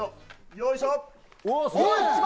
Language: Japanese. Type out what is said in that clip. よいしょ！